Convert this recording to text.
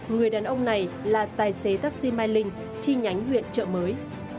người đàn ông này là tài xế taxi mai linh chi nhánh huyện trợ mới